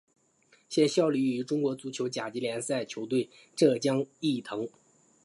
现效力于中国足球甲级联赛球队浙江毅腾。